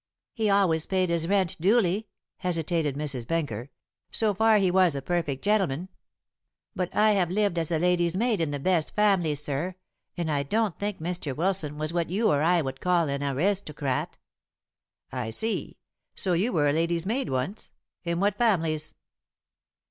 "He always paid his rent duly," hesitated Mrs. Benker, "so far he was a perfect gentleman. But I have lived as a lady's maid in the best families, sir, and I don't think Mr. Wilson was what you or I would call an aristocrat." "I see. So you were a lady's maid once. In what families?"